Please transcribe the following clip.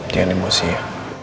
jangan emosi ya